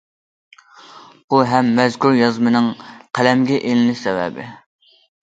بۇ ھەم مەزكۇر يازمىنىڭ قەلەمگە ئېلىنىش سەۋەبى.